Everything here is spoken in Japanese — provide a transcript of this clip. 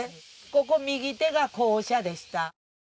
ここ右手が校舎でした。